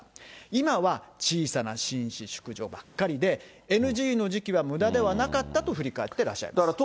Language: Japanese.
今は小さな紳士、淑女ばっかりで、ＮＧの時期はむだではなかったと振り返ってらっしゃいます。